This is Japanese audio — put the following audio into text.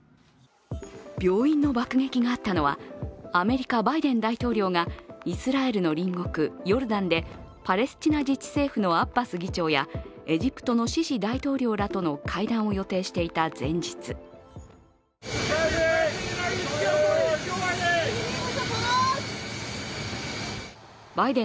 病院の爆撃があったのはアメリカ・バイデン大統領がイスラエルの隣国・ヨルダンでパレスチナ自治政府のアッバス議長やエジプトのシシ大統領らとの会談を予定していた前日おや？